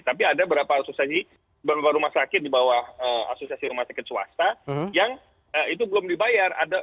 tapi ada beberapa asosiasi beberapa rumah sakit di bawah asosiasi rumah sakit swasta yang itu belum dibayar